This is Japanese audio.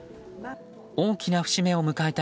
大きな節目を迎えた